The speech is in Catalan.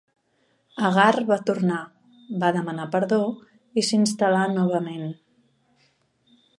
Agar va tornar, va demanar perdó i s'instal·là novament.